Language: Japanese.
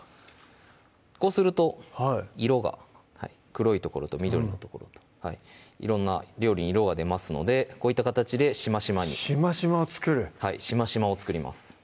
こうすると色が黒い所と緑の所と色んな料理に色が出ますのでこういった形でしましまにしましまを作るはいしましまを作ります